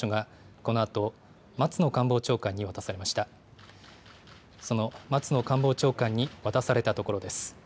その松野官房長官に渡されたところです。